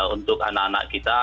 untuk anak anak kita